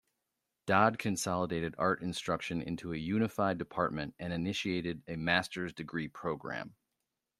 Dodd consolidated art instruction into a unified department and initiated a master's degree program.